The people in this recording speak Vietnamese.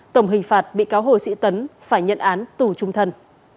tổng hình phạt bị cáo hồ sĩ tấn phải nhận án tù trung thân